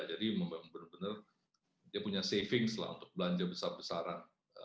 jadi benar benar dia punya savings lah untuk belanja besar besaran